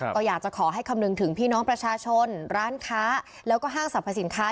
ก็อยากจะขอให้คำนึงถึงพี่น้องประชาชนร้านค้าแล้วก็ห้างสรรพสินค้า